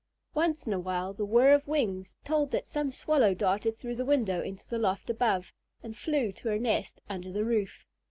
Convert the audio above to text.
Once in a while the whirr of wings told that some Swallow darted through the window into the loft above and flew to her nest under the roof.